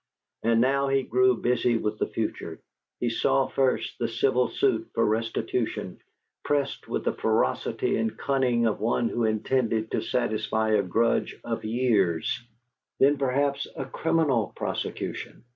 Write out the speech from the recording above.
And now he grew busy with the future: he saw first the civil suit for restitution, pressed with the ferocity and cunning of one who intended to satisfy a grudge of years; then, perhaps, a criminal prosecution....